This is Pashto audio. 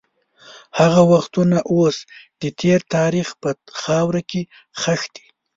هغه وختونه اوس د تېر تاریخ په خاوره کې ښخ دي.